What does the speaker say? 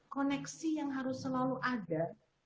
koneksi yang harus selalu ada